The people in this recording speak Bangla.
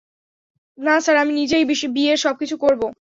না স্যার, আমি নিজেই বিয়ের সবকিছু করবো।